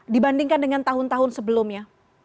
dibandingkan dengan tahun tahun sebelumnya